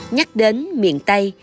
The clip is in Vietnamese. nhắc đến miền tây